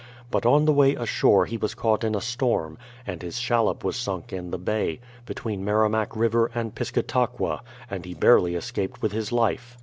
But on the way ashore he was caught in a storm, and his shallop was sunk In the bay, between Merrimac river and Piscataqua, and he barely es caped with his life.